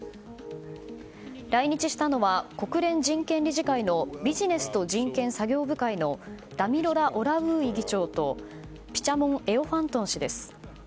来日したのは、国連人権理事会のビジネスと人権作業部会のダミロラ・オラウーイ議長とピチャモン・エオファントン氏。